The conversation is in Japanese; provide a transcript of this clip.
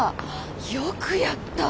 よくやった。